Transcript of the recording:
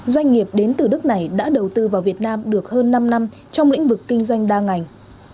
doanh nghiệp đến từ đất này đã đầu tư vào việt nam được hơn năm năm trong lĩnh vực kinh doanh đa ngành